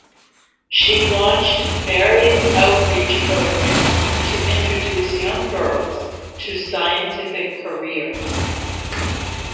She launched various outreach programs to introduce young girls to scientific careers.